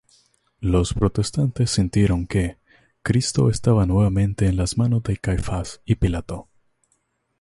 Los protestantes sintieron que "Cristo estaba nuevamente en las manos de Caifás y Pilato".